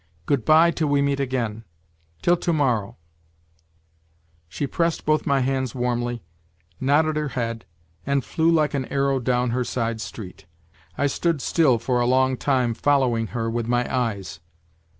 Good bye, till we meet again ! Till to morrow !" She pressed both my hands warmly, nodded her head, and flew like an arrow down her side street. I stood still for a long time following her with my eyes.